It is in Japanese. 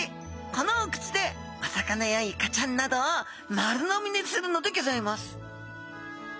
このお口でお魚やイカちゃんなどを丸飲みにするのでギョざいます